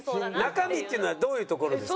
中身っていうのはどういうところですか？